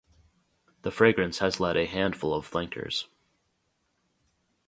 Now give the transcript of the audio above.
The fragrance has led a handful of flankers.